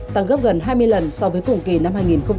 tăng gấp gần hai mươi lần so với cùng kỳ năm hai nghìn hai mươi